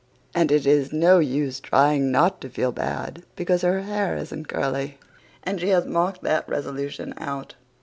And it is no use trying not to feel bad because her hair isn't curly and she has marked that resolution out.